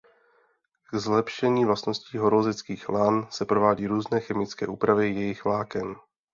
K zlepšení vlastností horolezeckých lan se provádí různé chemické úpravy jejich vláken.